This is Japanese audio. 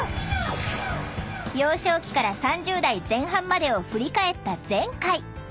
幼少期から３０代前半までを振り返った前回。